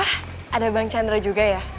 ada bang chandra juga ya